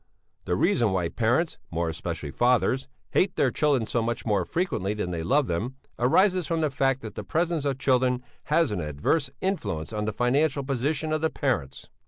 The reason why parents (more especially fathers) hate their children so much more frequently than they love them arises from the fact that the presence of children has an adverse influence on the financial position of the parents.